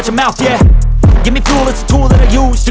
apinya wangi biom petrus